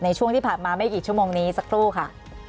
ในช่วงที่ผ่านมาไม่กี่ชั่วโมงนี้สักครู่ค่ะ